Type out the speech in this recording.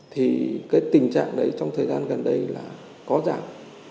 thì cái tình trạng đấy trong thời gian gần đây là có giảm